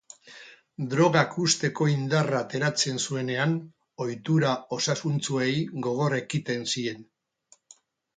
Drogak uzteko indarra ateratzen zuenean, ohitura osasuntsuei gogor ekiten zien.